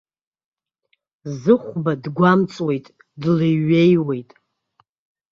Зыхәба дгәамҵуеит, длеиҩеиуеит.